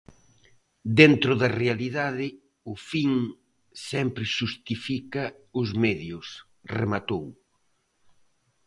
Dentro da realidade, o fin sempre xustifica os medios, rematou.